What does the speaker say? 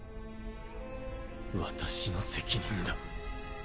私の責任だ。